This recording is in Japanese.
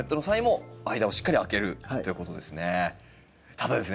ただですね